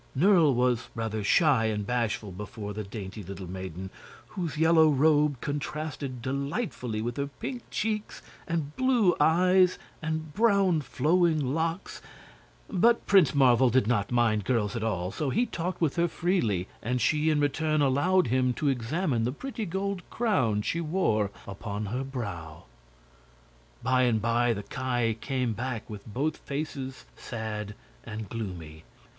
Nerle was rather shy and bashful before the dainty little maiden, whose yellow robe contrasted delightfully with her pink cheeks and blue eyes and brown flowing locks; but Prince Marvel did not mind girls at all, so he talked with her freely, and she in return allowed him to examine the pretty gold crown she wore upon her brow. By and by the Ki came back with both faces sad and gloomy.